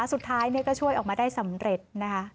แล้วสุดท้ายเนี่ยก็ช่วยออกมาได้สำเร็จนะฮะ